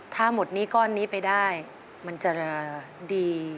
ถ้าหมดหนี้ก้อนนี้ไปได้มันจะดี